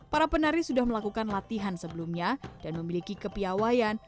para penari sudah melakukan latihan sebelumnya dan memiliki kepiawaian